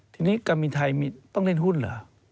ทีนี้การบินไทยต้องเล่นหุ้นเหรอ